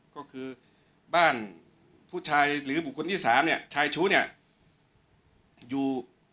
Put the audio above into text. ก็คือบ้านผู้ชายหรือบุคคลที่๓เนี่ยชายชู้เนี่ยอยู่